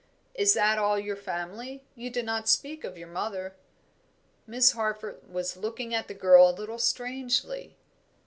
"Is that all your family? You do not speak of your mother." Miss Harford was looking at the girl a little strangely.